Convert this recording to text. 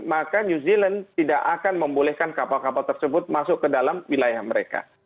maka new zealand tidak akan membolehkan kapal kapal tersebut masuk ke dalam wilayah mereka